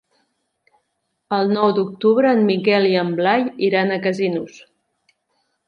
El nou d'octubre en Miquel i en Blai iran a Casinos.